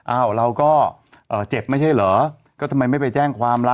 อ้าวเราก็เจ็บไม่ใช่เหรอก็ทำไมไม่ไปแจ้งความล่ะ